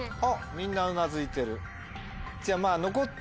みんなうなずいてる。